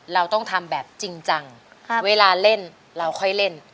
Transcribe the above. เราต้องทำแบบจริงจังเวลาเล่นเราค่อยเล่น